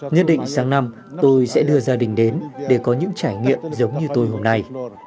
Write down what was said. nhất định sáng năm tôi sẽ đưa gia đình đến để có những trải nghiệm giống như tôi hôm nay